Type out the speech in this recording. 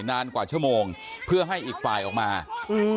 นานกว่าชั่วโมงเพื่อให้อีกฝ่ายออกมาอืม